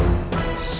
raja ibu nda